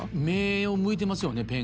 「め」を向いてますよね